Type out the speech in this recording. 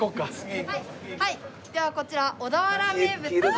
ではこちら小田原名物の。